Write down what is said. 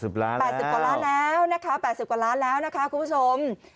๘๐กว่าล้านแล้วนะคะคุณผู้ชม